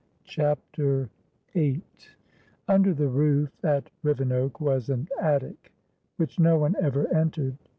CHAPTER VIII Under the roof at Rivenoak was an attic which no one ever entered.